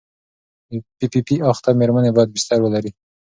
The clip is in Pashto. پي پي پي اخته مېرمنې باید بستر ولري.